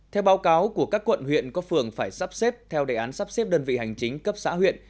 theo báo cáo của các quận huyện có phường phải sắp xếp theo đề án sắp xếp đơn vị hành chính cấp xã huyện